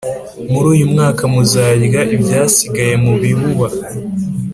muri uyu mwaka muzarya ibyasigaye mu bibuba,